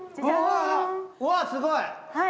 うわ、すごい。